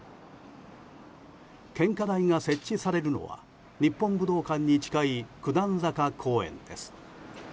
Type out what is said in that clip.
献花台が設置されるのは日本武道館に近い九段坂公園です。